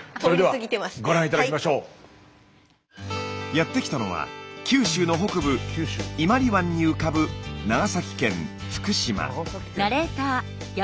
やって来たのは九州の北部伊万里湾に浮かぶ長崎県福島。